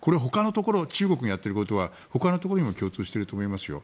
中国のやっていることはほかのところにも共通していると思いますよ。